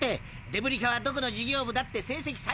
デブリ課はどこの事業部だって成績最下位。